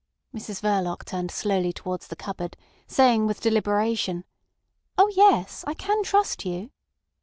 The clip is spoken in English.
Mrs Verloc turned slowly towards the cupboard, saying with deliberation: "Oh yes. I can trust you."